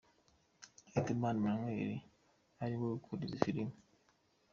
Hitimana Emmanuel, ariwe ukora izi filime.